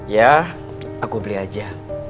ya aku beli aja